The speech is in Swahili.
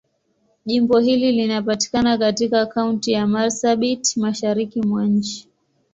Jimbo hili linapatikana katika Kaunti ya Marsabit, Mashariki mwa nchi.